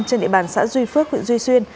trên địa bàn xã duy phước huyện duy xuyên